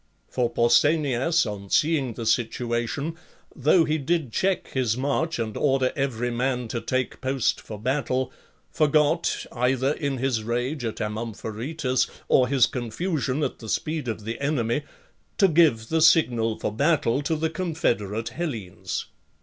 For Pausanias, on seeing the situation, though he did check his march and order every man to take post for battle, forgot, either in his rage at Amom pharetus or his confusion at the speed of the enemy, to give the signal for battle to the confederate Hellenes.